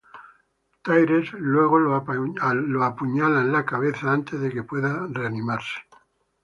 Tyreese luego lo apuñala en la cabeza antes de que pueda reanimar.